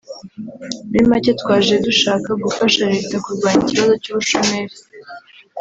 muri make twaje dushaka gufasha Leta kurwanya ikibazo cy’ubushomeri